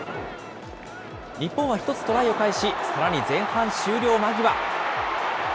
日本は１つトライを返し、さらに前半終了間際。